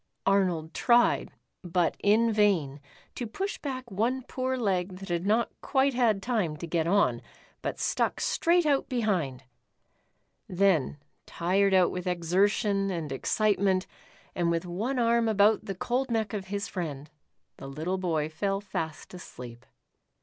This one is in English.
Arnold tried, but in vain, to push back one poor leg that had not quite had time to get on, but stuck straight out behind. Then, tired out with exer tion and excitement, and with one arm about the cold neck of his friend, the little boy fell fast asleep.